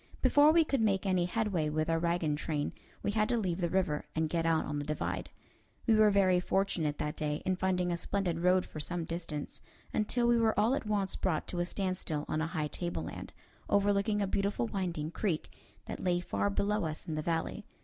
Before we could make any headway with our wagon train we had to leave the river and get out on the divide. We were very fortunate that day in finding a splendid road for some distance, until we were all at once brought to a standstill on a high tableland, overlooking a beautiful winding creek that lay far below us in the valley.